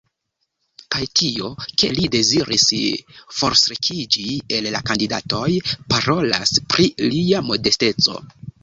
Kaj tio, ke li deziris forstrekiĝi el la kandidatoj, parolas pri lia modesteco.